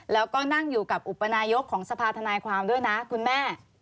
แล้วก็นั่งอยู่กับอุปนายกของสภาธนายความด้วยนะคุณแม่